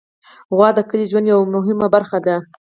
غوا د کلي ژوند یوه مهمه برخه ده.